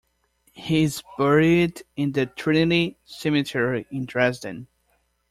He is buried in the Trinity Cemetery in Dresden.